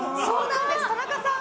田中さん